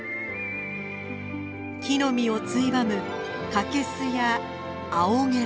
木の実をついばむカケスやアオゲラ。